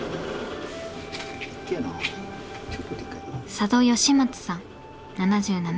佐渡與四松さん７７歳。